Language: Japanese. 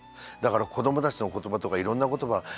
だから子どもたちの言葉とかいろんな言葉